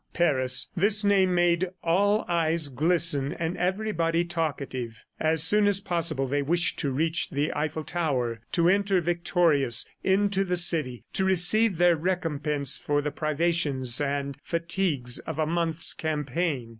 Paris! This name made all eyes glisten and everybody talkative. As soon as possible they wished to reach the Eiffel Tower, to enter victorious into the city, to receive their recompense for the privations and fatigues of a month's campaign.